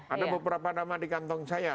ada beberapa nama di kantong saya